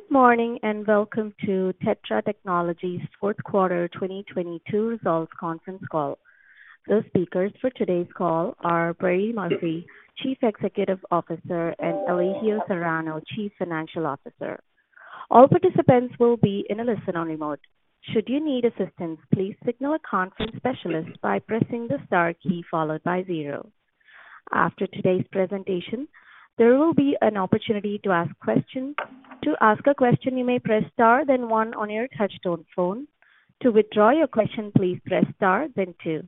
Good morning, welcome to TETRA Technologies' fourth quarter 2022 results conference call. The speakers for today's call are Brady M. Murphy, Chief Executive Officer, and Elijio Serrano, Chief Financial Officer. All participants will be in a listen-only mode. Should you need assistance, please signal a conference specialist by pressing the Star key followed by 0. After today's presentation, there will be an opportunity to ask questions. To ask a question, you may press Star then 1 on your touchtone phone. To withdraw your question, please press Star then 2.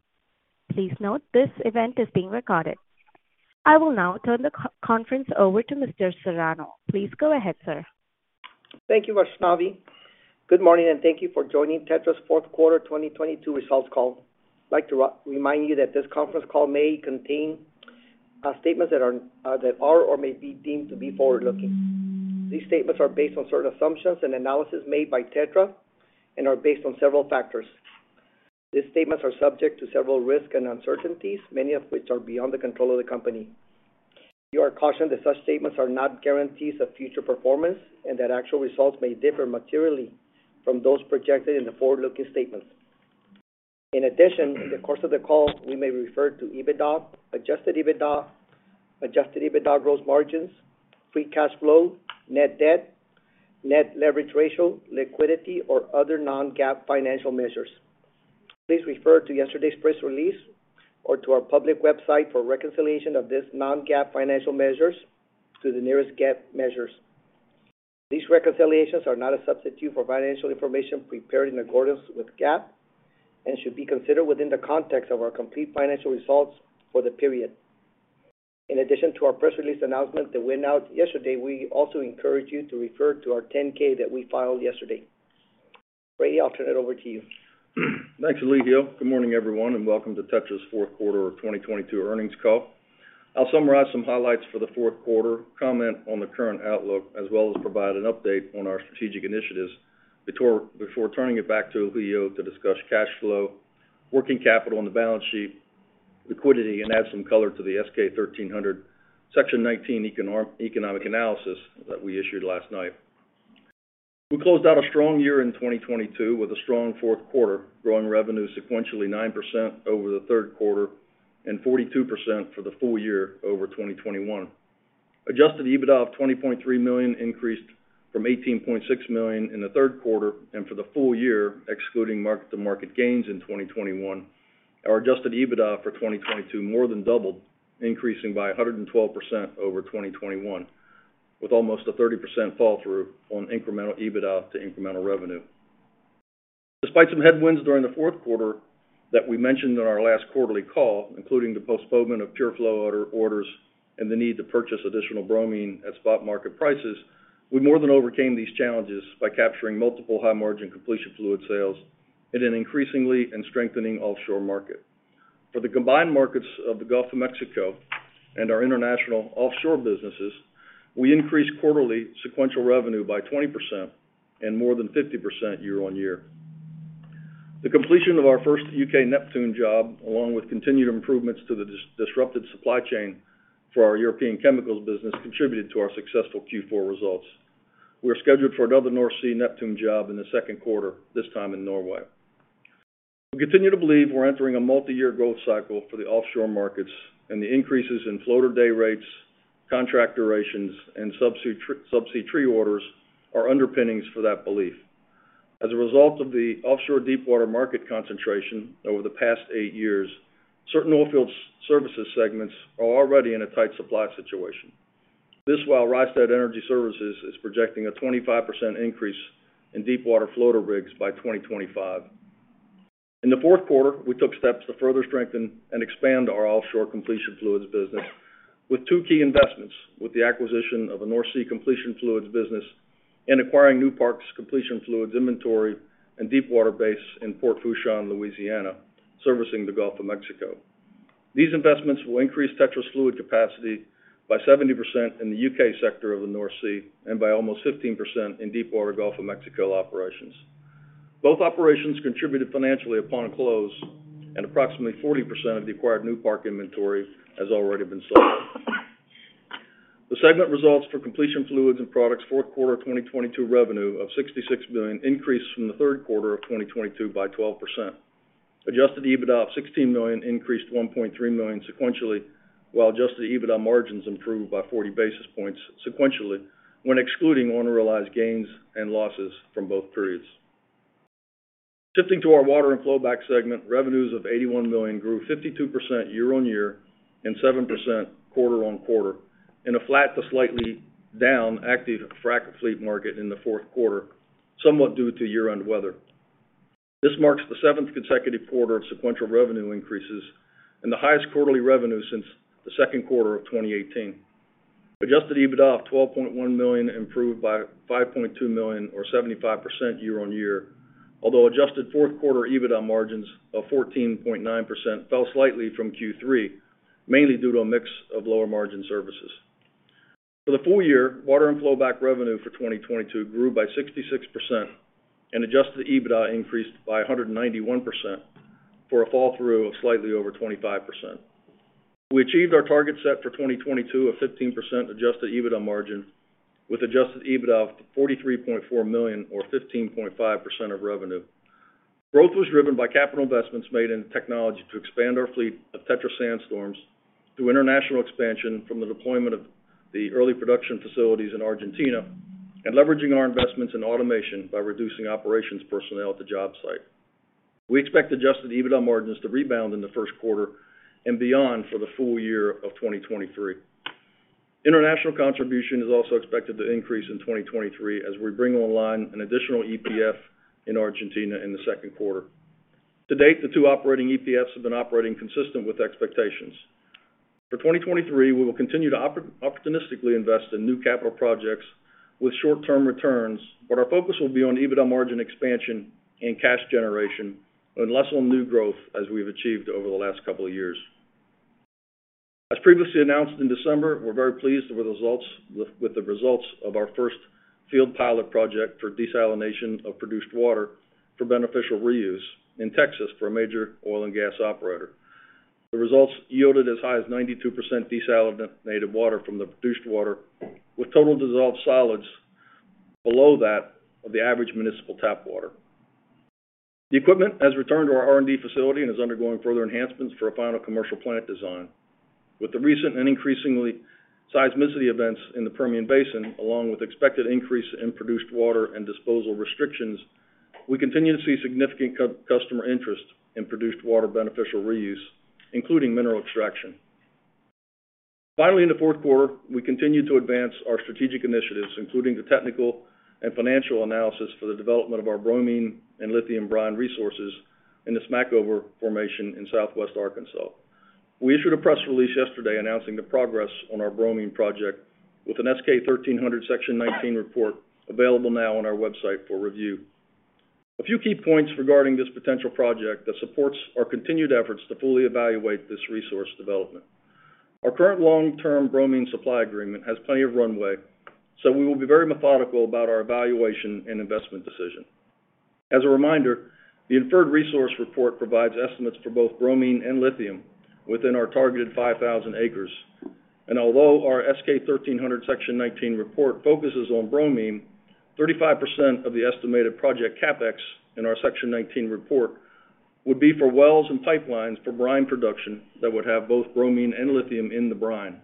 Please note, this event is being recorded. I will now turn the conference over to Mr. Serrano. Please go ahead, sir. Thank you, Vaishnavi. Good morning, and thank you for joining TETRA's fourth quarter 2022 results call. I'd like to remind you that this conference call may contain statements that are or may be deemed to be forward-looking. These statements are based on certain assumptions and analysis made by TETRA and are based on several factors. These statements are subject to several risks and uncertainties, many of which are beyond the control of the company. We are cautioned that such statements are not guarantees of future performance and that actual results may differ materially from those projected in the forward-looking statements. In addition, in the course of the call, we may refer to EBITDA, adjusted EBITDA, adjusted EBITDA gross margins, free cash flow, net debt, net leverage ratio, liquidity or other non-GAAP financial measures. Please refer to yesterday's press release or to our public website for reconciliation of these non-GAAP financial measures to the nearest GAAP measures. These reconciliations are not a substitute for financial information prepared in accordance with GAAP and should be considered within the context of our complete financial results for the period. In addition to our press release announcement that went out yesterday, we also encourage you to refer to our 10-K that we filed yesterday. Brady, I'll turn it over to you. Thanks, Elijio. Good morning, everyone, welcome to TETRA's fourth quarter of 2022 earnings call. I'll summarize some highlights for the fourth quarter, comment on the current outlook, as well as provide an update on our strategic initiatives before turning it back to Elijio to discuss cash flow, working capital on the balance sheet, liquidity, and add some color to the S-K 1300 Section 19 economic analysis that we issued last night. We closed out a strong year in 2022 with a strong fourth quarter, growing revenue sequentially 9% over the third quarter and 42% for the full year over 2021. Adjusted EBITDA of $20.3 million increased from $18.6 million in the third quarter and for the full year, excluding market-to-market gains in 2021. Our adjusted EBITDA for 2022 more than doubled, increasing by 112% over 2021, with almost a 30% fall through on incremental EBITDA to incremental revenue. Despite some headwinds during the fourth quarter that we mentioned on our last quarterly call, including the postponement of PureFlow order and the need to purchase additional bromine at spot market prices, we more than overcame these challenges by capturing multiple high-margin completion fluid sales in an increasingly and strengthening offshore market. For the combined markets of the Gulf of Mexico and our international offshore businesses, we increased quarterly sequential revenue by 20% and more than 50% year-on-year. The completion of our first U.K. Neptune job, along with continued improvements to the disrupted supply chain for our European chemicals business, contributed to our successful Q4 results. We're scheduled for another North Sea Neptune job in the second quarter, this time in Norway. We continue to believe we're entering a multi-year growth cycle for the offshore markets and the increases in floater day rates, contract durations and subsea tree orders are underpinnings for that belief. As a result of the offshore deepwater market concentration over the past eight years, certain oilfield services segments are already in a tight supply situation. This while Rystad Energy is projecting a 25% increase in deepwater floater rigs by 2025. In the fourth quarter, we took steps to further strengthen and expand our offshore completion fluids business with two key investments, with the acquisition of a North Sea completion fluids business and acquiring Newpark's completion fluids inventory and deepwater base in Port Fourchon, Louisiana, servicing the Gulf of Mexico. These investments will increase TETRA's fluid capacity by 70% in the U.K. sector of the North Sea and by almost 15% in deepwater Gulf of Mexico operations. Both operations contributed financially upon close, and approximately 40% of the acquired Newpark inventory has already been sold. The segment results for completion fluids and products fourth quarter 2022 revenue of $66 million increased from the third quarter of 2022 by 12%. Adjusted EBITDA of $16 million increased $1.3 million sequentially, while adjusted EBITDA margins improved by 40 basis points sequentially when excluding unrealized gains and losses from both periods. Shifting to our water and flowback segment, revenues of $81 million grew 52% year-on-year and 7% quarter-on-quarter in a flat to slightly down active frack fleet market in the fourth quarter, somewhat due to year-end weather. This marks the seventh consecutive quarter of sequential revenue increases and the highest quarterly revenue since the second quarter of 2018. Adjusted EBITDA of $12.1 million improved by $5.2 million or 75% year-over-year. Although adjusted fourth quarter EBITDA margins of 14.9% fell slightly from Q3, mainly due to a mix of lower margin services. For the full year, water and flowback revenue for 2022 grew by 66% and adjusted EBITDA increased by 191% for a fall through of slightly over 25%. We achieved our target set for 2022 of 15% adjusted EBITDA margin with adjusted EBITDA of $43.4 million or 15.5% of revenue. Growth was driven by capital investments made in technology to expand our fleet of TETRA SandStorm through international expansion from the deployment of the early production facilities in Argentina and leveraging our investments in automation by reducing operations personnel at the job site. We expect adjusted EBITDA margins to rebound in the first quarter and beyond for the full year of 2023. International contribution is also expected to increase in 2023 as we bring online an additional EPF in Argentina in the second quarter. To date, the 2 operating EPFs have been operating consistent with expectations. For 2023, we will continue to opportunistically invest in new capital projects with short-term returns, but our focus will be on EBITDA margin expansion and cash generation and less on new growth as we've achieved over the last couple of years. As previously announced in December, we're very pleased with the results, with the results of our first field pilot project for desalination of produced water for beneficial reuse in Texas for a major oil and gas operator. The results yielded as high as 92% desalinated water from the produced water with Total Dissolved Solids below that of the average municipal tap water. The equipment has returned to our R&D facility and is undergoing further enhancements for a final commercial plant design. With the recent and increasingly seismicity events in the Permian Basin, along with expected increase in produced water and disposal restrictions, we continue to see significant customer interest in produced water beneficial reuse, including mineral extraction. In the fourth quarter, we continued to advance our strategic initiatives, including the technical and financial analysis for the development of our bromine and lithium brine resources in the Smackover Formation in Southwest Arkansas. We issued a press release yesterday announcing the progress on our bromine project with an S-K 1300 Section 19 report available now on our website for review. A few key points regarding this potential project that supports our continued efforts to fully evaluate this resource development. Our current long-term bromine supply agreement has plenty of runway, we will be very methodical about our evaluation and investment decision. As a reminder, the Inferred Resource Report provides estimates for both bromine and lithium within our targeted 5,000 acres. Although our S-K 1300 Section 19 report focuses on bromine, 35% of the estimated project CapEx in our Section 19 report would be for wells and pipelines for brine production that would have both bromine and lithium in the brine.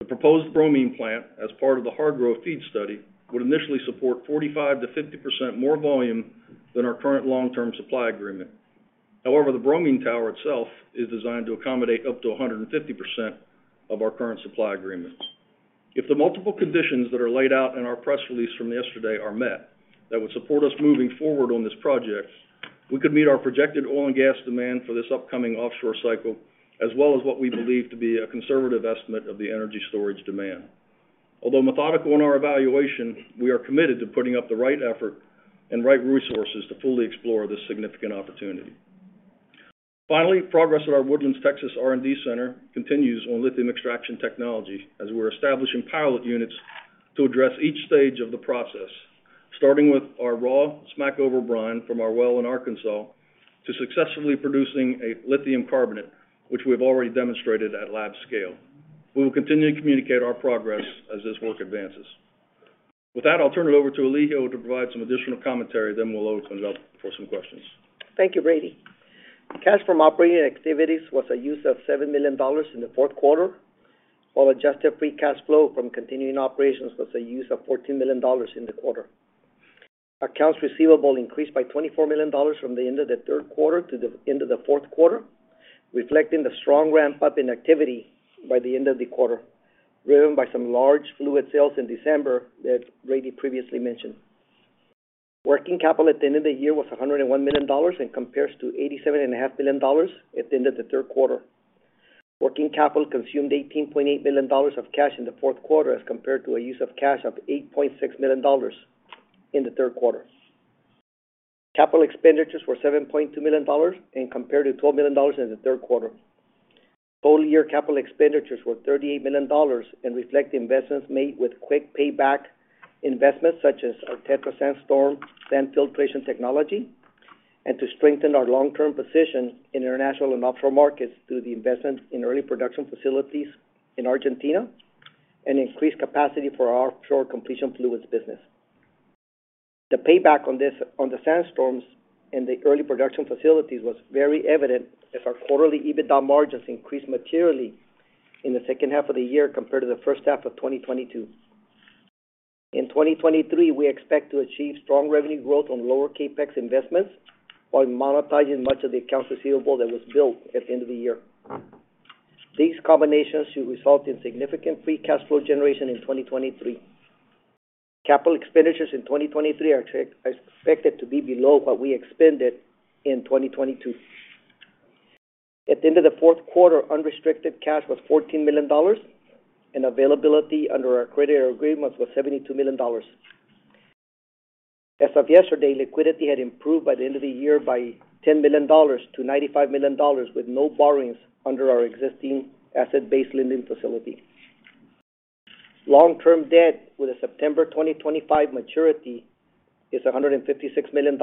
The proposed bromine plant, as part of the hard growth FEED study, would initially support 45%-50% more volume than our current long-term supply agreement. However, the bromine tower itself is designed to accommodate up to 150% of our current supply agreements. If the multiple conditions that are laid out in our press release from yesterday are met that would support us moving forward on this project, we could meet our projected oil and gas demand for this upcoming offshore cycle, as well as what we believe to be a conservative estimate of the energy storage demand. Although methodical in our evaluation, we are committed to putting up the right effort and right resources to fully explore this significant opportunity. Progress at our Woodlands Texas R&D center continues on lithium extraction technology as we're establishing pilot units to address each stage of the process, starting with our raw Smackover brine from our well in Arkansas to successfully producing a lithium carbonate, which we've already demonstrated at lab scale. We will continue to communicate our progress as this work advances. I'll turn it over to Elijio to provide some additional commentary, then we'll open it up for some questions. Thank you, Brady. Cash from operating activities was a use of $7 million in the fourth quarter, while adjusted free cash flow from continuing operations was a use of $14 million in the quarter. Accounts receivable increased by $24 million from the end of the third quarter to the end of the fourth quarter, reflecting the strong ramp-up in activity by the end of the quarter, driven by some large fluid sales in December that Brady previously mentioned. Working capital at the end of the year was $101 million and compares to eighty-seven and a half million dollars at the end of the third quarter. Working capital consumed $18.8 million of cash in the fourth quarter as compared to a use of cash of $8.6 million in the third quarter. Capital expenditures were $7.2 million and compared to $12 million in the third quarter. Whole year capital expenditures were $38 million and reflect investments made with quick payback investments such as our TETRA SandStorm sand filtration technology, and to strengthen our long-term position in international and offshore markets through the investment in early production facilities in Argentina and increased capacity for our offshore completion fluids business. The payback on this, on the SandStorms and the early production facilities was very evident as our quarterly EBITDA margins increased materially in the second half of the year compared to the first half of 2022. In 2023, we expect to achieve strong revenue growth on lower CapEx investments while monetizing much of the accounts receivable that was built at the end of the year. These combinations should result in significant free cash flow generation in 2023. Capital expenditures in 2023 are expected to be below what we expended in 2022. At the end of the fourth quarter, unrestricted cash was $14 million, and availability under our credit agreements was $72 million. As of yesterday, liquidity had improved by the end of the year by $10 million to $95 million with no borrowings under our existing asset-based lending facility. Long-term debt with a September 2025 maturity is $156 million,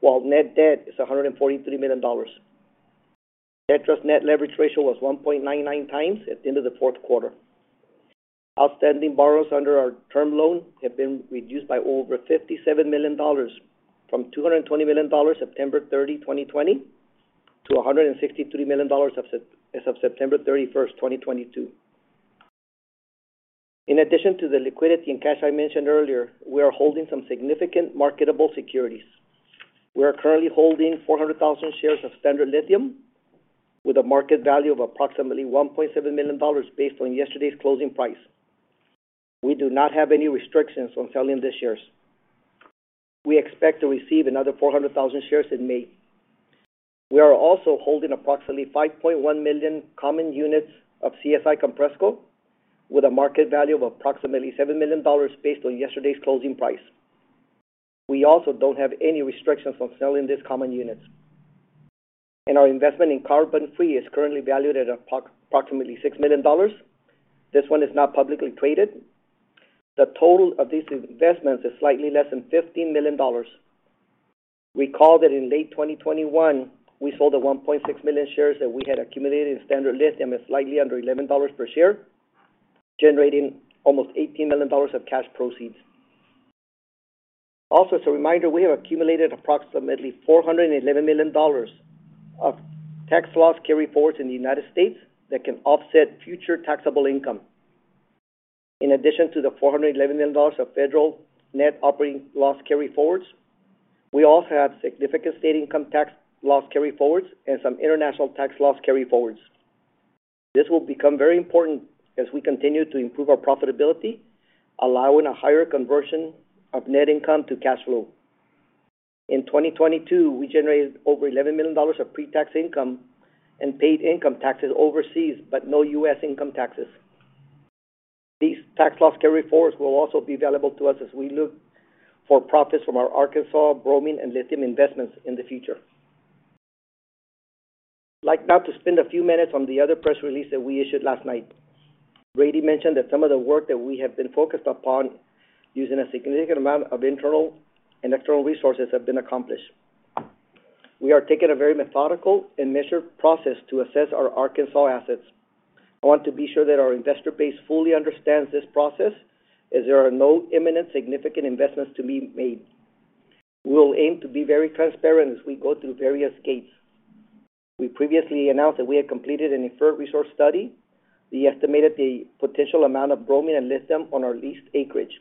while net debt is $143 million. Debt trust net leverage ratio was 1.99 times at the end of the fourth quarter. Outstanding borrowers under our term loan have been reduced by over $57 million from $220 million, September 30, 2020, to $163 million as of September 31st, 2022. In addition to the liquidity and cash I mentioned earlier, we are holding some significant marketable securities. We are currently holding 400,000 shares of Standard Lithium with a market value of approximately $1.7 million based on yesterday's closing price. We do not have any restrictions on selling these shares. We expect to receive another 400,000 shares in May. We are also holding approximately 5.1 million common units of CSI Compressco with a market value of approximately $7 million based on yesterday's closing price. We also don't have any restrictions on selling these common units. Our investment in CarbonFree is currently valued at approximately $6 million. This one is not publicly traded. The total of these investments is slightly less than $15 million. Recall that in late 2021, we sold the 1.6 million shares that we had accumulated in Standard Lithium at slightly under $11 per share, generating almost $18 million of cash proceeds. As a reminder, we have accumulated approximately $411 million of tax loss carryforwards in the United States that can offset future taxable income. In addition to the $411 million of federal net operating loss carryforwards, we also have significant state income tax loss carryforwards and some international tax loss carryforwards. This will become very important as we continue to improve our profitability, allowing a higher conversion of net income to cash flow. In 2022, we generated over $11 million of pre-tax income and paid income taxes overseas, but no U.S. income taxes. These tax loss carryforwards will also be valuable to us as we look for profits from our Arkansas bromine and lithium investments in the future. I'd like now to spend a few minutes on the other press release that we issued last night. Brady mentioned that some of the work that we have been focused upon using a significant amount of internal and external resources have been accomplished. We are taking a very methodical and measured process to assess our Arkansas assets. I want to be sure that our investor base fully understands this process as there are no imminent significant investments to be made. We will aim to be very transparent as we go through various gates. We previously announced that we had completed an inferred resource study. We estimated the potential amount of bromine and lithium on our leased acreage.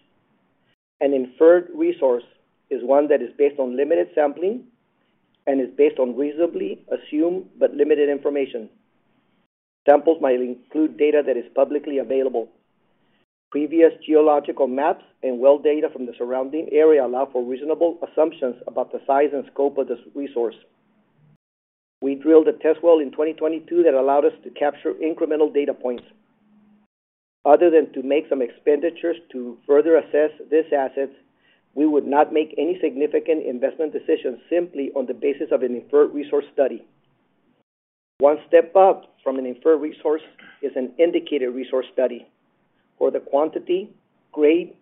An inferred resource is one that is based on limited sampling and is based on reasonably assumed but limited information. Samples might include data that is publicly available. Previous geological maps and well data from the surrounding area allow for reasonable assumptions about the size and scope of this resource. We drilled a test well in 2022 that allowed us to capture incremental data points. Other than to make some expenditures to further assess these assets, we would not make any significant investment decisions simply on the basis of an inferred resource study. One step up from an inferred resource is an indicated resource study, where the quantity, grade,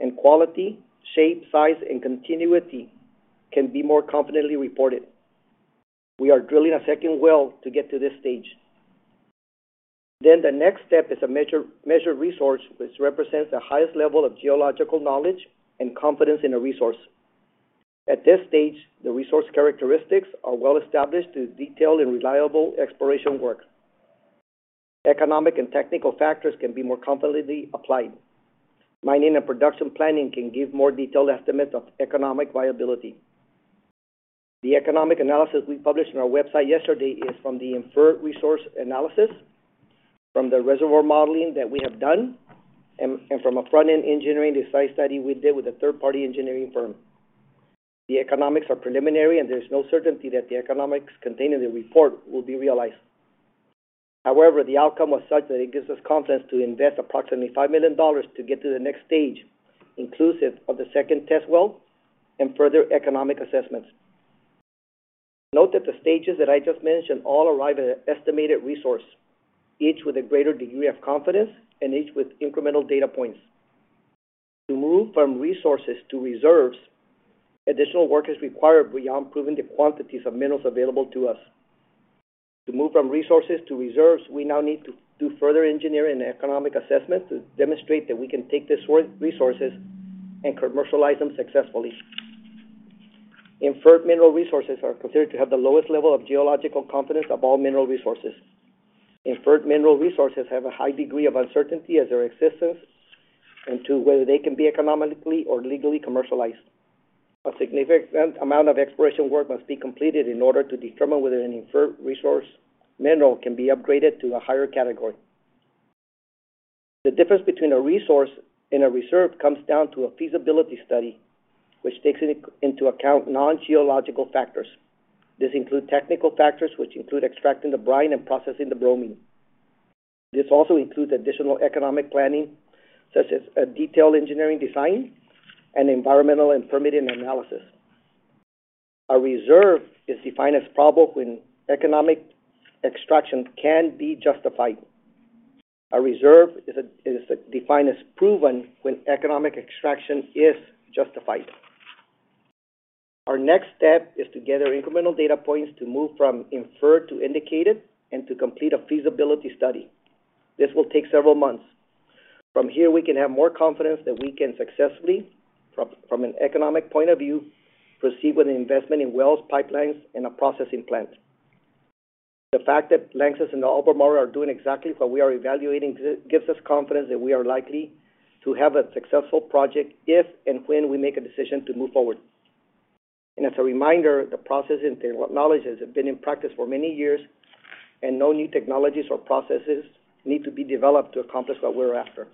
and quality, shape, size, and continuity can be more confidently reported. We are drilling a second well to get to this stage. The next step is a Measured Mineral Resource, which represents the highest level of geological knowledge and confidence in a resource. At this stage, the resource characteristics are well established through detailed and reliable exploration work. Economic and technical factors can be more confidently applied. Mining and production planning can give more detailed estimates of economic viability. The economic analysis we published on our website yesterday is from the inferred resource analysis, from the reservoir modeling that we have done, and from a Front-End Engineering Design study we did with a third-party engineering firm. The economics are preliminary, and there's no certainty that the economics contained in the report will be realized. The outcome was such that it gives us confidence to invest approximately $5 million to get to the next stage, inclusive of the second test well and further economic assessments. Note that the stages that I just mentioned all arrive at an estimated resource, each with a greater degree of confidence and each with incremental data points. To move from resources to reserves, additional work is required beyond proving the quantities of minerals available to us. To move from resources to reserves, we now need to do further engineering and economic assessment to demonstrate that we can take these resources and commercialize them successfully. Inferred mineral resources are considered to have the lowest level of geological confidence of all mineral resources. Inferred mineral resources have a high degree of uncertainty as their existence and to whether they can be economically or legally commercialized. A significant amount of exploration work must be completed in order to determine whether an inferred resource mineral can be upgraded to a higher category. The difference between a resource and a reserve comes down to a feasibility study, which takes into account non-geological factors. This includes technical factors, which include extracting the brine and processing the bromine. This also includes additional economic planning, such as a detailed engineering design and environmental and permitting analysis. A reserve is defined as probable when economic extraction can be justified. A reserve is defined as proven when economic extraction is justified. Our next step is to gather incremental data points to move from inferred to indicated and to complete a feasibility study. This will take several months. From here, we can have more confidence that we can successfully, from an economic point of view, proceed with an investment in wells, pipelines, and a processing plant. The fact that Lanxess and Albemarle are doing exactly what we are evaluating gives us confidence that we are likely to have a successful project if and when we make a decision to move forward. As a reminder, the processing technologies have been in practice for many years, and no new technologies or processes need to be developed to accomplish what we're after.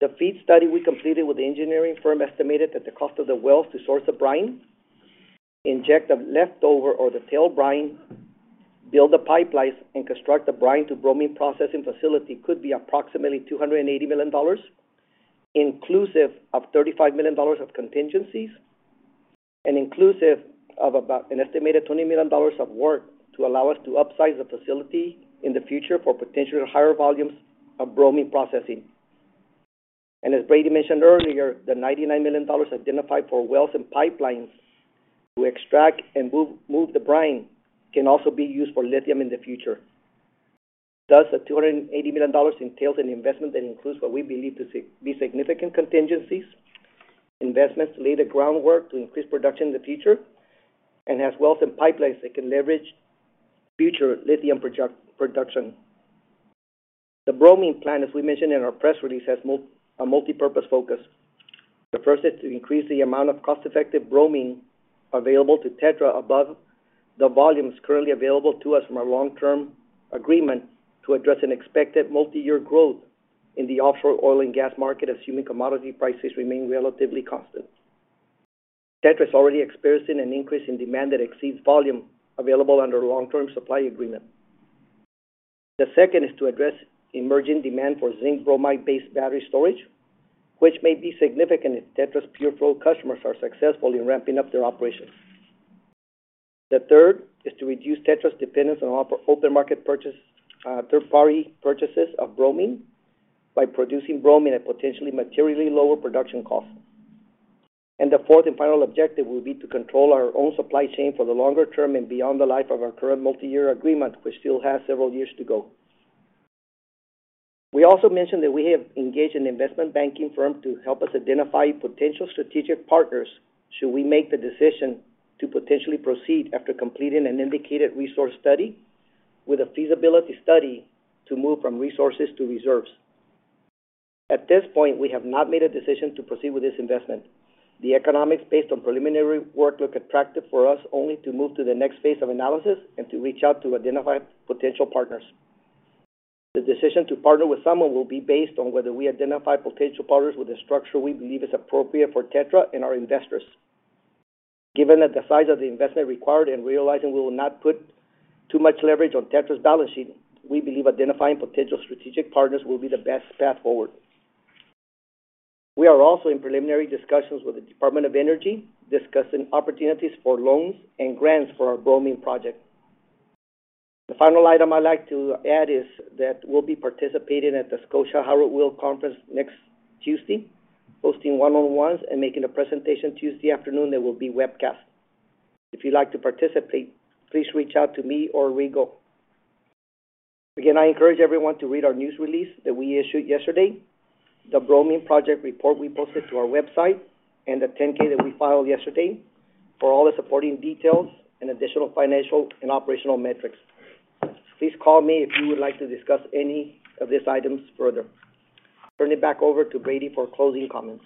The FEED study we completed with the engineering firm estimated that the cost of the wells to source the brine, inject the leftover or the tail brine, build the pipelines, and construct the brine to bromine processing facility could be approximately $280 million, inclusive of $35 million of contingencies and inclusive of about an estimated $20 million of work to allow us to upsize the facility in the future for potential higher volumes of bromine processing. As Brady mentioned earlier, the $99 million identified for wells and pipelines to extract and move the brine can also be used for lithium in the future. The $280 million entails an investment that includes what we believe to be significant contingencies, investments to lay the groundwork to increase production in the future, and has wells and pipelines that can leverage future lithium production. The bromine plant, as we mentioned in our press release, has a multipurpose focus. The first is to increase the amount of cost-effective bromine available to TETRA above the volumes currently available to us from our long-term agreement to address an expected multi-year growth in the offshore oil and gas market, assuming commodity prices remain relatively constant. TETRA is already experiencing an increase in demand that exceeds volume available under long-term supply agreement. The second is to address emerging demand for zinc bromide-based battery storage, which may be significant if TETRA's PureFlow customers are successful in ramping up their operations. The third is to reduce TETRA's dependence on open market purchase, third-party purchases of bromine by producing bromine at potentially materially lower production costs. The fourth and final objective will be to control our own supply chain for the longer term and beyond the life of our current multi-year agreement, which still has several years to go. We also mentioned that we have engaged an investment banking firm to help us identify potential strategic partners should we make the decision to potentially proceed after completing an indicated resource study with a feasibility study to move from resources to reserves. At this point, we have not made a decision to proceed with this investment. The economics based on preliminary work look attractive for us only to move to the next phase of analysis and to reach out to identify potential partners. The decision to partner with someone will be based on whether we identify potential partners with a structure we believe is appropriate for TETRA and our investors. Given that the size of the investment required and realizing we will not put too much leverage on TETRA's balance sheet, we believe identifying potential strategic partners will be the best path forward. We are also in preliminary discussions with the Department of Energy, discussing opportunities for loans and grants for our bromine project. The final item I'd like to add is that we'll be participating at the Scotiabank Howard Weil Conference next Tuesday, hosting one-on-ones and making a presentation Tuesday afternoon that will be webcast. If you'd like to participate, please reach out to me or Rigo. Again, I encourage everyone to read our news release that we issued yesterday, the bromine project report we posted to our website, and the 10-K that we filed yesterday for all the supporting details and additional financial and operational metrics. Please call me if you would like to discuss any of these items further. Turn it back over to Brady for closing comments.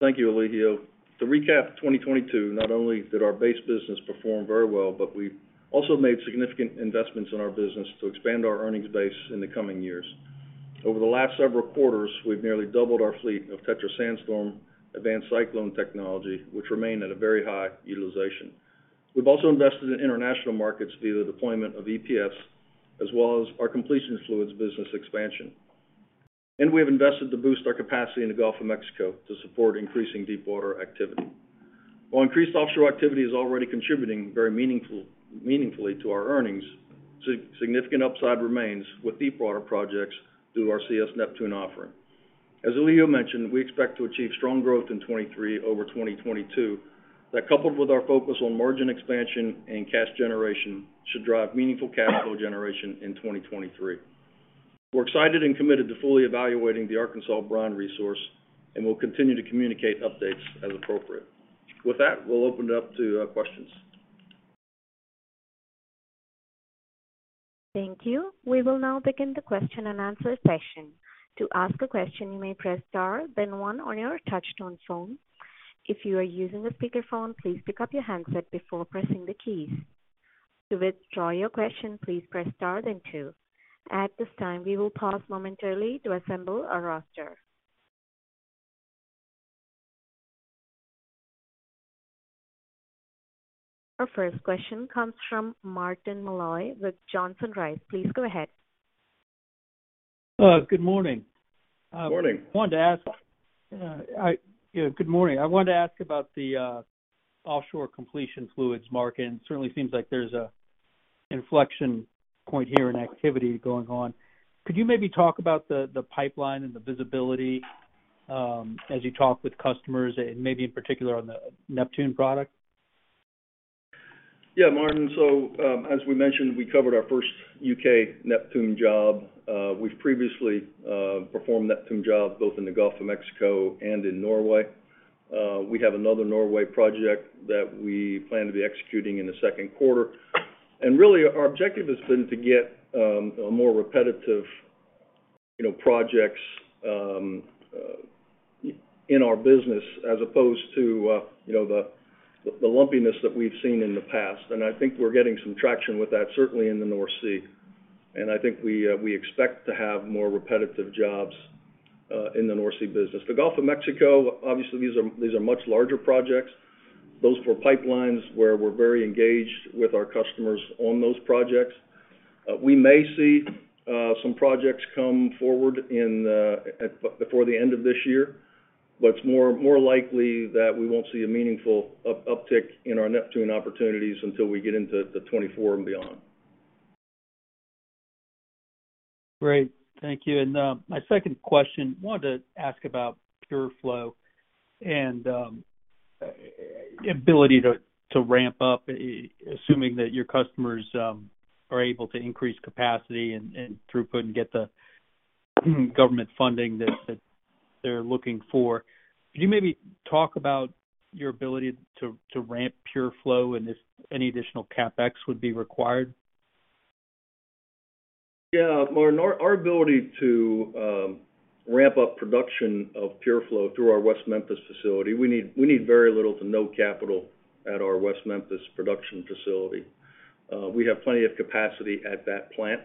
Thank you, Elijio. To recap 2022, not only did our base business perform very well, but we've also made significant investments in our business to expand our earnings base in the coming years. Over the last several quarters, we've nearly doubled our fleet of TETRA SandStorm advanced cyclone technology, which remain at a very high utilization. We've also invested in international markets via the deployment of EPS, as well as our completion fluids business expansion. We have invested to boost our capacity in the Gulf of Mexico to support increasing deepwater activity. While increased offshore activity is already contributing very meaningfully to our earnings, significant upside remains with deepwater projects through our CS Neptune offering. As Elijio mentioned, we expect to achieve strong growth in 2023 over 2022, that coupled with our focus on margin expansion and cash generation, should drive meaningful cash flow generation in 2023. We're excited and committed to fully evaluating the Arkansas brine resource, and we'll continue to communicate updates as appropriate. With that, we'll open it up to questions. Thank you. We will now begin the question and answer session. To ask a question, you may press star then one on your touchtone phone. If you are using a speaker phone, please pick up your handset before pressing the keys. To withdraw your question, please press star then two. At this time, we will pause momentarily to assemble our roster. Our first question comes from Martin Malloy with Johnson Rice. Please go ahead. Good morning. Morning. I wanted to ask, you know, good morning. I wanted to ask about the offshore completion fluids market. It certainly seems like there's an inflection point here in activity going on. Could you maybe talk about the pipeline and the visibility as you talk with customers and maybe in particular on the Neptune product? Yeah, Martin. As we mentioned, we covered our first U.K. Neptune job. We've previously performed Neptune jobs both in the Gulf of Mexico and in Norway. We have another Norway project that we plan to be executing in the second quarter. Really our objective has been to get a more repetitive, you know, projects in our business as opposed to, you know, the lumpiness that we've seen in the past. I think we're getting some traction with that, certainly in the North Sea. I think we expect to have more repetitive jobs in the North Sea business. The Gulf of Mexico, obviously, these are much larger projects, those 4 pipelines where we're very engaged with our customers on those projects. We may see some projects come forward before the end of this year. It's more likely that we won't see a meaningful up-uptick in our Neptune opportunities until we get into the 2024 and beyond. Great. Thank you. My second question, wanted to ask about PureFlow and ability to ramp up, assuming that your customers are able to increase capacity and throughput and get the government funding that they're looking for. Could you maybe talk about your ability to ramp PureFlow and if any additional CapEx would be required? Yeah. Martin, our ability to ramp up production of PureFlow through our West Memphis facility, we need very little to no capital at our West Memphis production facility. We have plenty of capacity at that plant.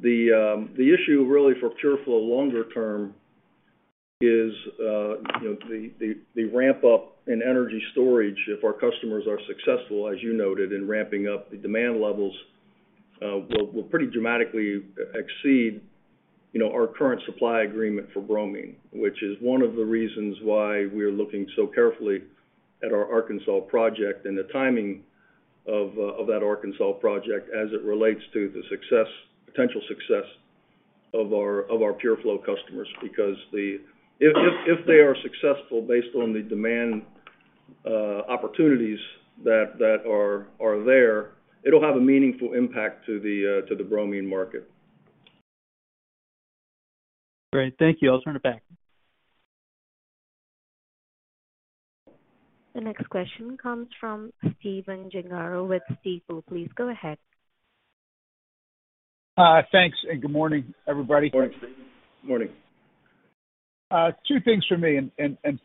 The issue really for PureFlow longer term is, you know, the ramp up in energy storage, if our customers are successful, as you noted, in ramping up the demand levels, will pretty dramatically exceed, you know, our current supply agreement for bromine. Which is one of the reasons why we are looking so carefully at our Arkansas project and the timing of that Arkansas project as it relates to the potential success of our PureFlow customers. If they are successful based on the demand opportunities that are there, it'll have a meaningful impact to the bromine market. Great. Thank you. I'll turn it back. The next question comes from Stephen Gengaro with Stifel. Please go ahead. Thanks, good morning, everybody. Morning.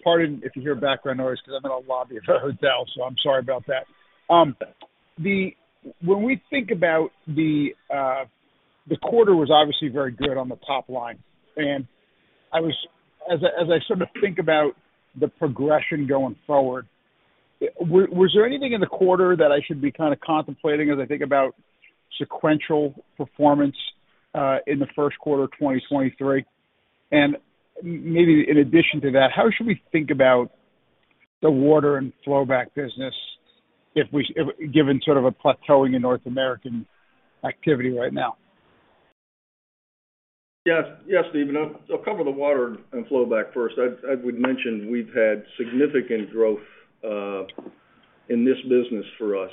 Pardon if you hear background noise because I'm in a lobby of a hotel, so I'm sorry about that. When we think about the quarter was obviously very good on the top line. As I sort of think about the progression going forward, was there anything in the quarter that I should be kind of contemplating as I think about sequential performance in the first quarter of 2023? Maybe in addition to that, how should we think about the water and flowback business if given sort of a plateauing in North American activity right now? Yes. Yes, Steven. I'll cover the water and flowback first. As we'd mentioned, we've had significant growth in this business for us.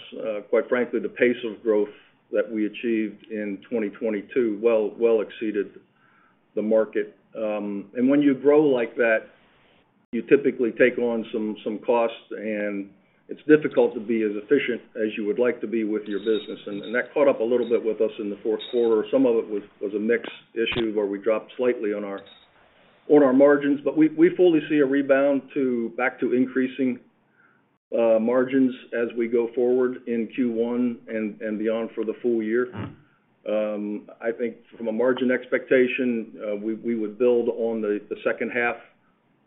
Quite frankly, the pace of growth that we achieved in 2022 well exceeded the market. When you grow like that, you typically take on some costs, and it's difficult to be as efficient as you would like to be with your business. That caught up a little bit with us in the fourth quarter. Some of it was a mix issue where we dropped slightly on our margins. We fully see a rebound back to increasing margins as we go forward in Q1 and beyond for the full year. I think from a margin expectation, we would build on the second half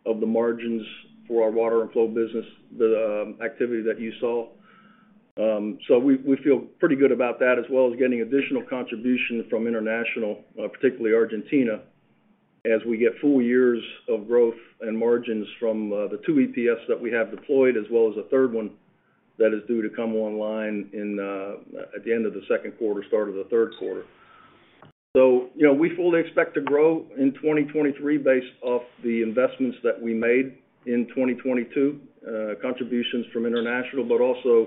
of the margins for our water and flow business, the activity that you saw. We feel pretty good about that, as well as getting additional contribution from international, particularly Argentina, as we get full years of growth and margins from the 2 EPS that we have deployed, as well as a third one that is due to come online at the end of the second quarter, start of the third quarter. You know, we fully expect to grow in 2023 based off the investments that we made in 2022, contributions from international, but also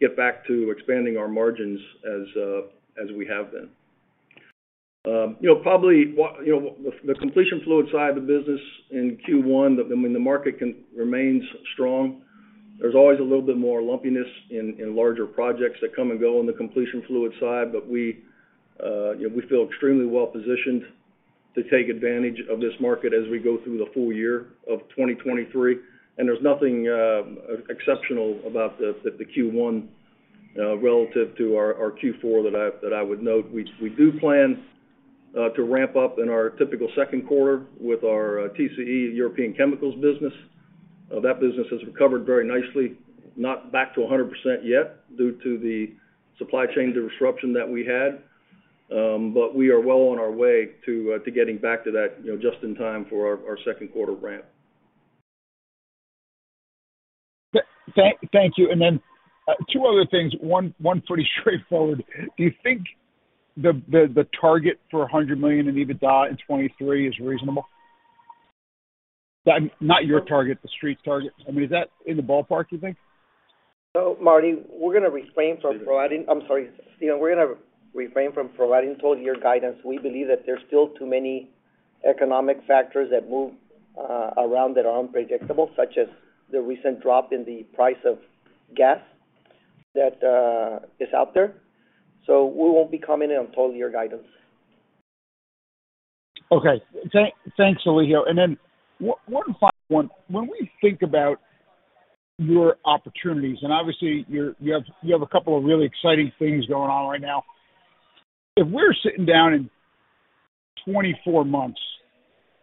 get back to expanding our margins as we have been. You know, probably what, you know, the completion fluid side of the business in Q1, I mean, the market remains strong. There's always a little bit more lumpiness in larger projects that come and go on the completion fluid side. We, you know, we feel extremely well positioned to take advantage of this market as we go through the full year of 2023. There's nothing exceptional about this, that the Q1 relative to our Q4 that I would note. We do plan to ramp up in our typical second quarter with our TCE European Chemicals business. That business has recovered very nicely. Not back to 100% yet due to the supply chain disruption that we had. We are well on our way to getting back to that, you know, just in time for our second quarter ramp. Thank you. Then, two other things. One pretty straightforward. Do you think the target for $100 million in EBITDA in 2023 is reasonable? Not your target, the street target. I mean, is that in the ballpark, you think? Martin, we're gonna refrain from providing, I'm sorry, Stephen. We're gonna refrain from providing full year guidance. We believe that there's still too many economic factors that move around that are unpredictable, such as the recent drop in the price of gas that is out there. We won't be commenting on full year guidance. Okay. Thanks, Elijio. One final one. When we think about your opportunities, and obviously you have a couple of really exciting things going on right now. If we're sitting down in 24 months,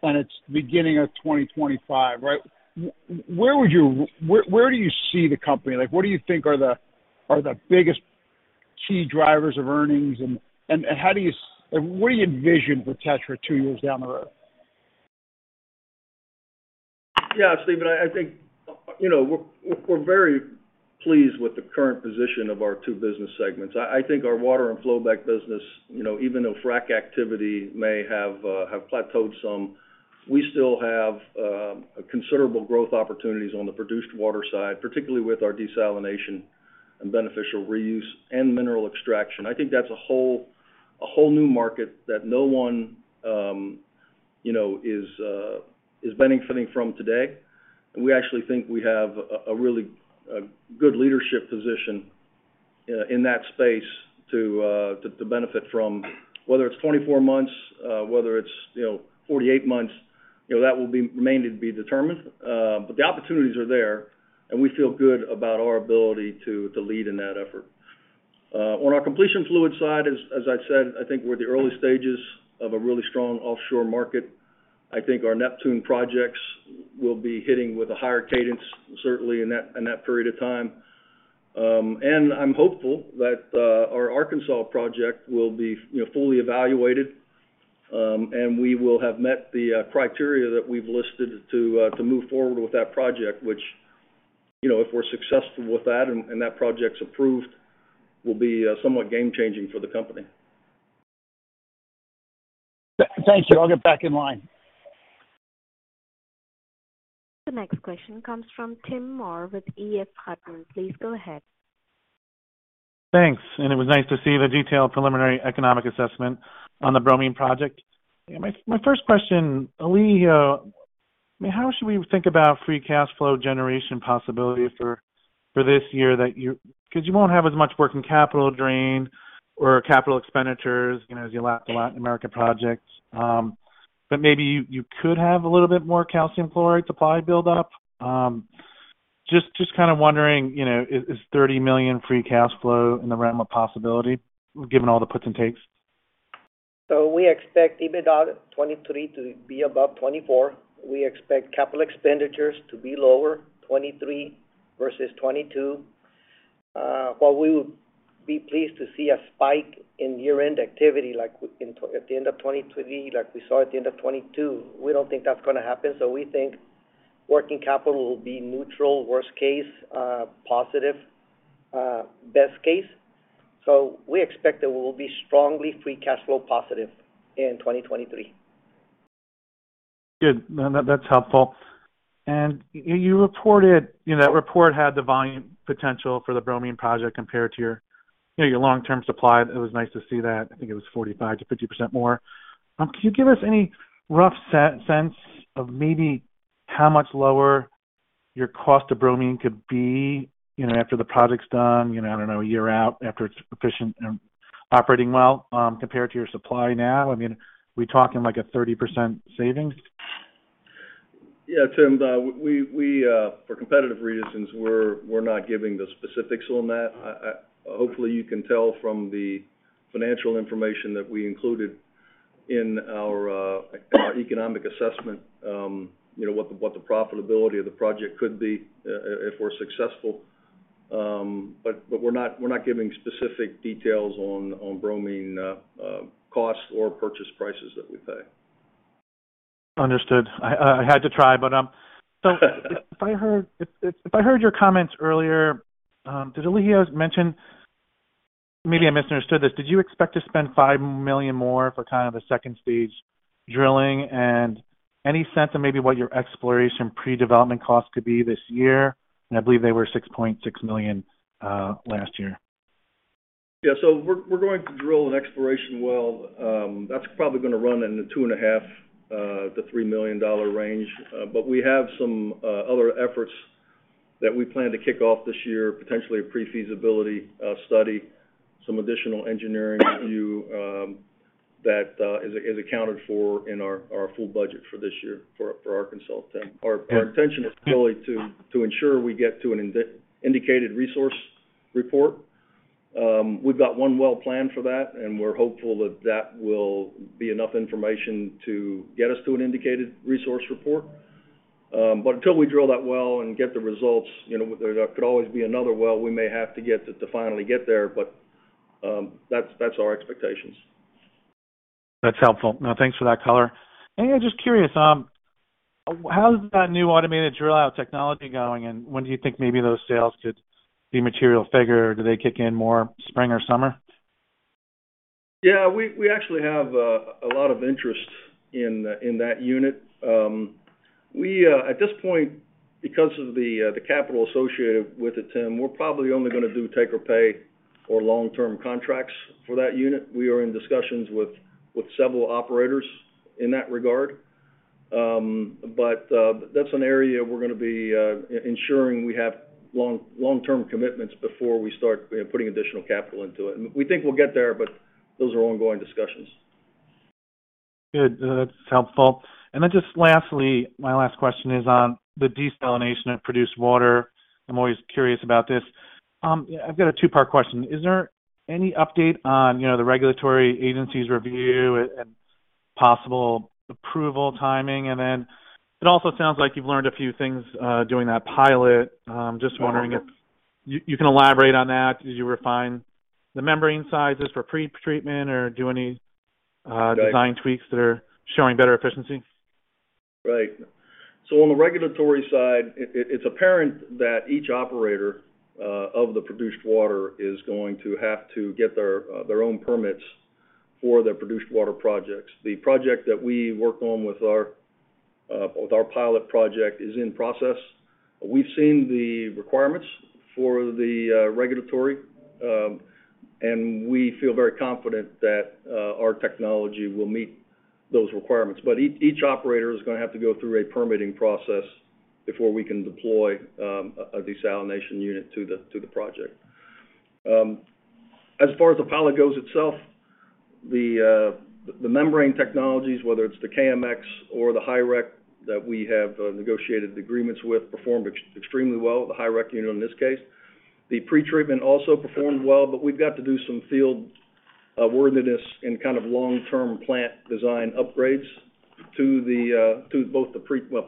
and it's beginning of 2025, right? Where would you... Where do you see the company? Like, what do you think are the biggest key drivers of earnings and how do you What do you envision for Tetra 2 years down the road? Yeah, Stephen, I think, you know, we're very pleased with the current position of our two business segments. I think our water and flow back business, you know, even though frack activity may have plateaued some, we still have a considerable growth opportunities on the produced water side, particularly with our desalination and beneficial reuse and mineral extraction. I think that's a whole new market that no one, you know, is benefiting from today. We actually think we have a really good leadership position in that space to benefit from. Whether it's 24 months, whether it's, you know, 48 months, you know, that will remain to be determined. The opportunities are there, and we feel good about our ability to lead in that effort. On our completion fluid side, as I'd said, I think we're at the early stages of a really strong offshore market. I think our Neptune projects will be hitting with a higher cadence, certainly in that, in that period of time. I'm hopeful that our Arkansas project will be, you know, fully evaluated, and we will have met the criteria that we've listed to move forward with that project, which, you know, if we're successful with that and that project's approved, will be somewhat game changing for the company. Thank you. I'll get back in line. The next question comes from Tim Moore with EF Hutton. Please go ahead. Thanks. It was nice to see the detailed preliminary economic assessment on the bromine project. My first question, Elijio, how should we think about free cash flow generation possibility for this year? 'Cause you won't have as much working capital drain or capital expenditures, you know, as your Latin America projects. But maybe you could have a little bit more calcium chloride supply build up. Just kind of wondering, you know, is $30 million free cash flow in the realm of possibility given all the puts and takes? We expect EBITDA 2023 to be above 2024. We expect capital expenditures to be lower, 2023 versus 2022. While we would be pleased to see a spike in year-end activity like we at the end of 2023, like we saw at the end of 2022, we don't think that's gonna happen. We think working capital will be neutral, worst case, positive, best case. We expect that we'll be strongly free cash flow positive in 2023. No, that's helpful. You reported, you know, that report had the volume potential for the bromine project compared to your, you know, your long-term supply. It was nice to see that. I think it was 45%-50% more. Can you give us any rough sense of maybe how much lower your cost of bromine could be, you know, after the project's done, you know, I don't know, a year out after it's efficient and operating well, compared to your supply now? I mean, we talking like a 30% savings? Yeah, Tim, for competitive reasons, we're not giving the specifics on that. Hopefully, you can tell from the financial information that we included in our economic assessment, you know, what the profitability of the project could be, if we're successful. We're not giving specific details on bromine costs or purchase prices that we pay. Understood. I had to try, but, If I heard your comments earlier, did Elijio mention? Maybe I misunderstood this. Did you expect to spend $5 million more for kind of a second stage drilling? Any sense of maybe what your exploration pre-development costs could be this year? I believe they were $6.6 million last year. Yeah. We're going to drill an exploration well that's probably gonna run in the $2.5 million-$3 million range. We have some other efforts that we plan to kick off this year, potentially a pre-feasibility study, some additional engineering review that is accounted for in our full budget for this year for our consult team. Our intention is really to ensure we get to an indicated resource report. We've got one well planned for that, and we're hopeful that that will be enough information to get us to an indicated resource report. Until we drill that well and get the results, you know, there could always be another well we may have to get to finally get there, but that's our expectations. That's helpful. No, thanks for that color. Yeah, just curious, how is that new automated drill out technology going, and when do you think maybe those sales could be material figure? Do they kick in more spring or summer? Yeah. We actually have a lot of interest in that unit. We at this point, because of the capital associated with it, Tim, we're probably only gonna do take or pay or long-term contracts for that unit. We are in discussions with several operators in that regard. That's an area we're gonna be ensuring we have long-term commitments before we start, you know, putting additional capital into it. We think we'll get there, but those are ongoing discussions. Good. That's helpful. Just lastly, my last question is on the desalination of produced water. I'm always curious about this. I've got a two-part question. Is there any update on, you know, the regulatory agency's review and possible approval timing? It also sounds like you've learned a few things doing that pilot. Just wondering if you can elaborate on that as you refine the membrane sizes for pretreatment or do any. Right. design tweaks that are showing better efficiency. Right. On the regulatory side, it's apparent that each operator of the produced water is going to have to get their own permits for their produced water projects. The project that we work on with our with our pilot project is in process. We've seen the requirements for the regulatory, and we feel very confident that our technology will meet those requirements. Each operator is gonna have to go through a permitting process before we can deploy a desalination unit to the project. As far as the pilot goes itself, the membrane technologies, whether it's the KMX or the Hyrec that we have negotiated agreements with, performed extremely well, the Hyrec unit in this case. The pretreatment also performed well, but we've got to do some field worthiness and kind of long-term plant design upgrades to the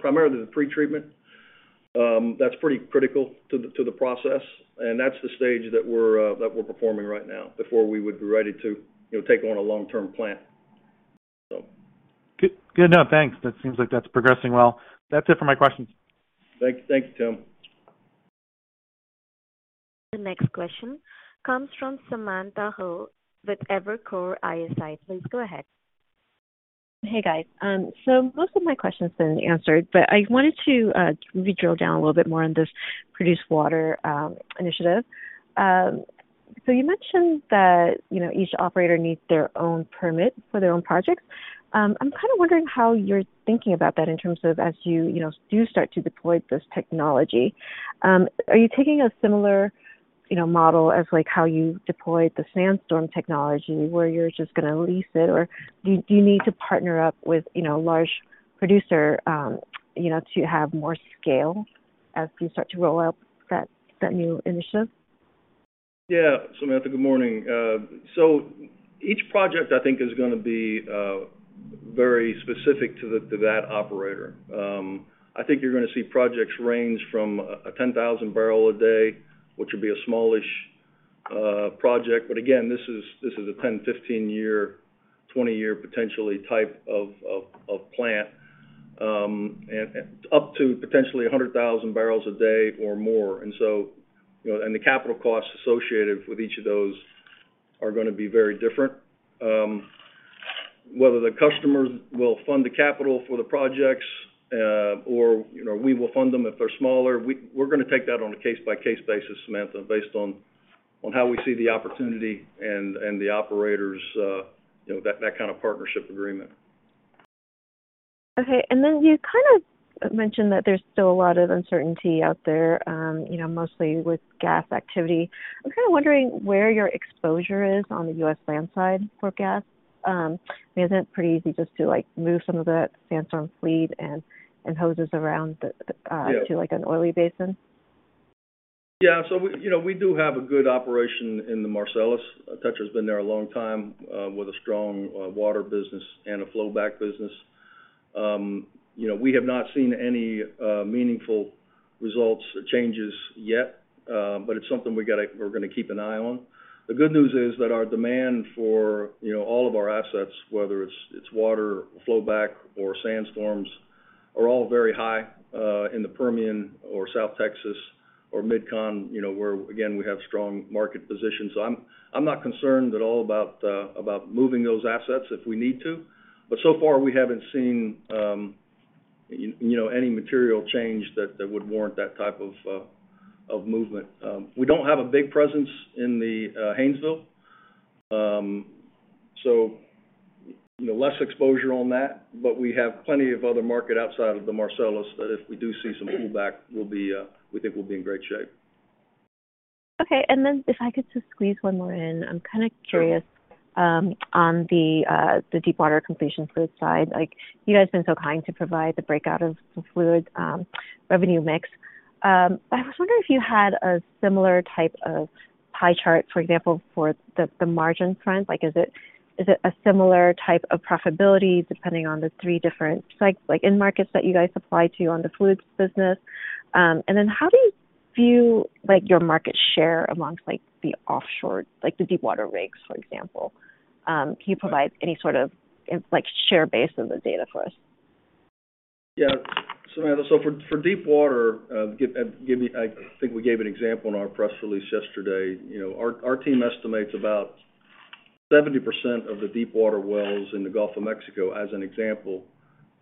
primarily the pretreatment. That's pretty critical to the process, and that's the stage that we're performing right now before we would be ready to, you know, take on a long-term plan. Good. Good know. Thanks. That seems like that's progressing well. That's it for my questions. Thanks. Thanks, Tim. The next question comes from Samantha Hoh with Evercore ISI. Please go ahead. Hey, guys. Most of my question's been answered, but I wanted to maybe drill down a little bit more on this produced water initiative. You mentioned that, you know, each operator needs their own permit for their own projects. I'm kind of wondering how you're thinking about that in terms of as you know, do start to deploy this technology. Are you taking a similar, you know, model as, like, how you deployed the TETRA SandStorm technology, where you're just gonna lease it? Do you need to partner up with, you know, a large producer, you know, to have more scale as you start to roll out that new initiative? Yeah. Samantha, good morning. Each project, I think, is gonna be very specific to the, to that operator. I think you're gonna see projects range from a 10,000 barrel a day, which would be a smallish project. Again, this is, this is a 10, 15 year, 20 year potentially type of, of plant, and up to potentially a 100,000 barrels a day or more. You know, and the capital costs associated with each of those are gonna be very different. Whether the customers will fund the capital for the projects, or, you know, we will fund them if they're smaller, we're gonna take that on a case-by-case basis, Samantha, based on how we see the opportunity and the operators, you know, that kind of partnership agreement. Okay. Then you kind of mentioned that there's still a lot of uncertainty out there, you know, mostly with gas activity. I'm kind of wondering where your exposure is on the U.S. land side for gas. I mean, isn't it pretty easy just to, like, move some of that SandStorm fleet and hoses around? Yeah. to, like, an oily basin? We do have a good operation in the Marcellus. Touchstone's been there a long time, with a strong water business and a flowback business. You know, we have not seen any meaningful results or changes yet, but it's something we're gonna keep an eye on. The good news is that our demand for, you know, all of our assets, whether it's water, flowback or SandStorm, are all very high in the Permian or South Texas or MidCon, you know, where, again, we have strong market positions. I'm not concerned at all about moving those assets if we need to, but so far, we haven't seen, you know, any material change that would warrant that type of movement. We don't have a big presence in the Haynesville, you know, less exposure on that. We have plenty of other market outside of the Marcellus that if we do see some pullback, we'll be, we think we'll be in great shape. Okay. If I could just squeeze one more in. Sure. I'm kinda curious on the deepwater completion fluids side. Like, you guys been so kind to provide the breakout of fluids revenue mix. I was wondering if you had a similar type of pie chart, for example, for the margin front. Like is it a similar type of profitability depending on the three different sites, like end markets that you guys supply to on the fluids business? How do you view, like, your market share amongst like the offshore, the deepwater rigs, for example? Can you provide any sort of like share base of the data for us? Yeah. Samantha, for deepwater, I think we gave an example in our press release yesterday. You know, our team estimates about 70% of the deepwater wells in the Gulf of Mexico, as an example,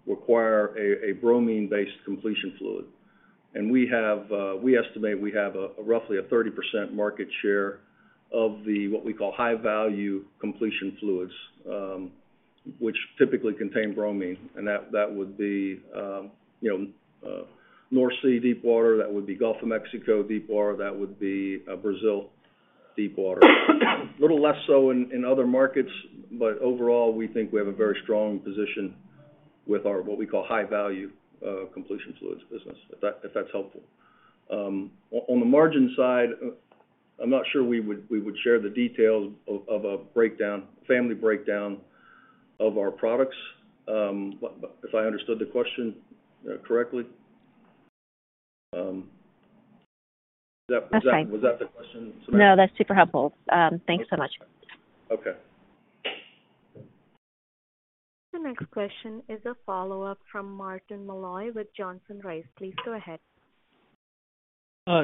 require a bromine-based completion fluid. We estimate we have roughly a 30% market share of the, what we call high value completion fluids, which typically contain bromine. That would be, you know, North Sea deepwater, that would be Gulf of Mexico deepwater, that would be Brazil deepwater. A little less so in other markets, overall, we think we have a very strong position with our, what we call high value completion fluids business, if that's helpful. On the margin side, I'm not sure we would share the details of a breakdown, family breakdown of our products. If I understood the question correctly. Is that? That's fine. Was that the question, Samantha? No, that's super helpful. Thanks so much. Okay. The next question is a follow-up from Martin Malloy with Johnson Rice. Please go ahead.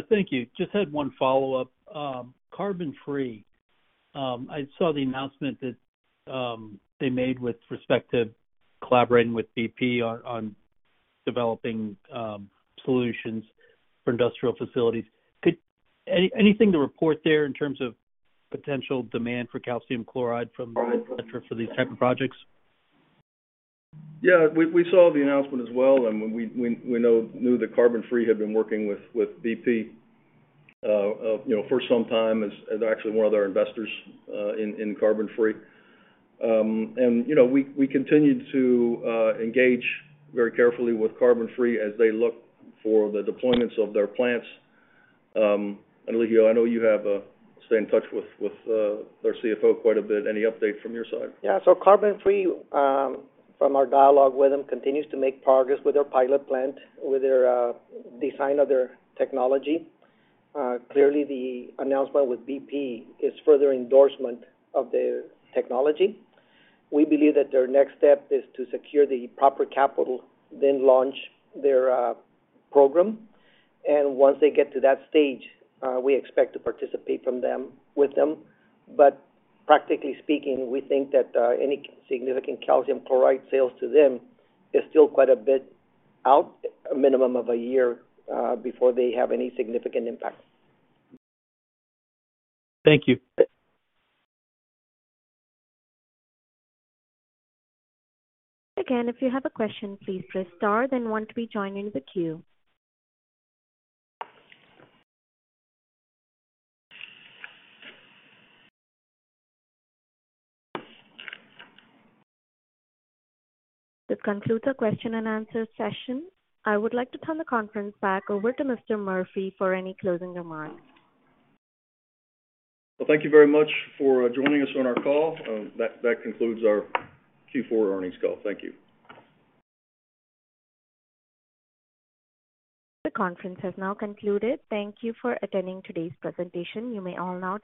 Thank you. Just had one follow-up. CarbonFree. I saw the announcement that they made with respect to collaborating with BP on developing solutions for industrial facilities. Anything to report there in terms of potential demand for calcium chloride for these type of projects? Yeah. We saw the announcement as well, and we knew that CarbonFree had been working with BP, you know, for some time as actually one of their investors in CarbonFree. Elijio, I know you have stayed in touch with their CFO quite a bit. Any update from your side? Yeah. CarbonFree, from our dialogue with them, continues to make progress with their pilot plant, with their design of their technology. Clearly the announcement with BP is further endorsement of their technology. We believe that their next step is to secure the proper capital, then launch their program. Once they get to that stage, we expect to participate with them. Practically speaking, we think that any significant calcium chloride sales to them is still quite a bit out, a minimum of 1 year, before they have any significant impact. Thank you. If you have a question, please press star then one to be joined into the queue. This concludes our question and answer session. I would like to turn the conference back over to Mr. Murphy for any closing remarks. Thank you very much for joining us on our call. That concludes our Q4 earnings call. Thank you. The conference has now concluded. Thank you for attending today's presentation. You may all now disconnect.